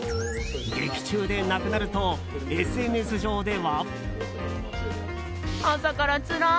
劇中で亡くなるとＳＮＳ上では。